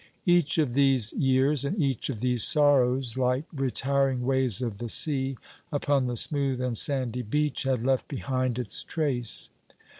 Each of these years and each of these sorrows, like retiring waves of the sea, upon the smooth and sandy beach, had left behind its trace.